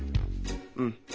うん。